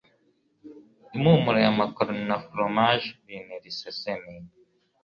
impumuro ya macaroni na foromaje bintera isesemi